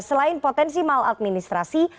selain potensi mal administrasi